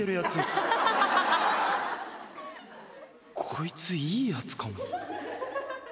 こいついいやつかも？